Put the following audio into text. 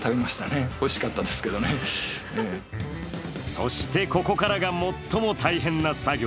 そして、ここからが最も大変な作業。